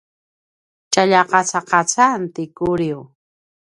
tjalja qacaqacan ti Kuliu